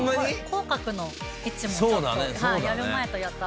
口角の位置もちょっとやる前とやったあとでは。